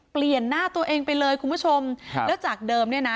เปลี่ยนหน้าตัวเองไปเลยคุณผู้ชมครับแล้วจากเดิมเนี่ยนะ